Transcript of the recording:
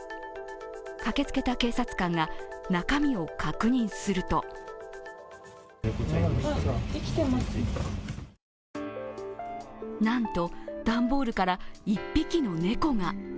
駆けつけた警察官が中身を確認するとなんと段ボールから１匹の猫が。